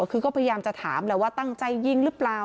คือก็พยายามจะถามแหละว่าตั้งใจยิงหรือเปล่า